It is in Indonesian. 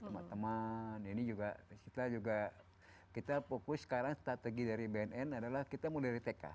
teman teman ini juga kita juga kita fokus sekarang strategi dari bnn adalah kita mau dari tk